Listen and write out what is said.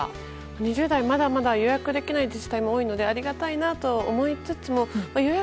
２０代、まだまだ予約できない自治体も多いのでありがたいなと思いつつも予約